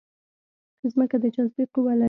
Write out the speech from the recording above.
ځمکه د جاذبې قوه لري